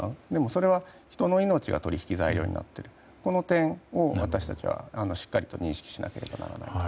それは人の命が取引材料になっているという点を私たちはしっかりと認識しなければならない。